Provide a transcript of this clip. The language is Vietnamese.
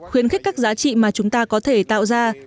khuyến khích các giá trị mà chúng ta có thể tạo ra